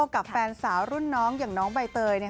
กับแฟนสาวรุ่นน้องอย่างน้องใบเตย